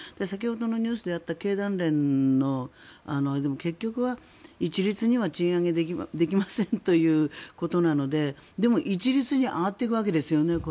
先ほどのニュースであった経団連のあれでも、結局は一律には賃上げできませんということなのででも一律に上がっていくわけですね